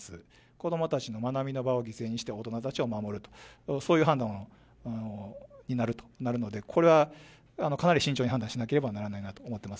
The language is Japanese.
子どもたちの学びの場を犠牲にして大人たちを守ると、そういう判断になるので、これは、かなり慎重に判断しなければならないなと思っています。